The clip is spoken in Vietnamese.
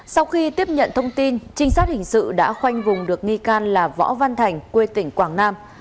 sau khi tiếp nhận thông tin trinh sát hình sự đã khoanh vùng được nghi can là võ văn thành quê tỉnh quảng nam